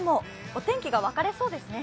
お天気が分かれそうですね。